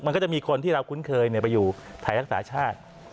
มันก็จะมีคนที่เราคุ้นเคยไปอยู่ไทยรักษาชาติ